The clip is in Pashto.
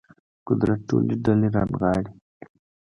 قدرت ټولې ډلې رانغاړي